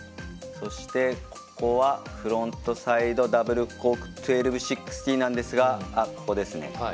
そしてここはフロントサイドダブルコーク１２６０なんですがここですね。